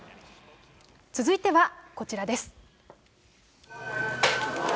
続いてはこちらです。